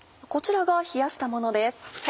こちらが冷やしたものです。